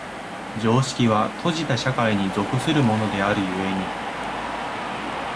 常識は閉じた社会に属するものである故に、